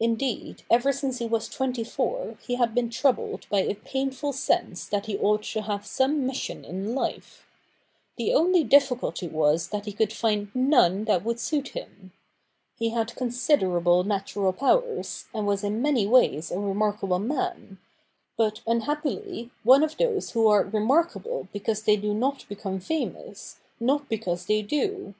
Indeed, ever since he was twenty four, he had been troubled by a painful sense that he ought to have some mission in life. The only difficulty lo THE NEW REPUBLIC [bk. i was that he could find none that would suit him. He had considerable natural powers, and was in many ways a remarkable man ; but, unhappily, one of those who are remarkable because they do not become famous, not because they do.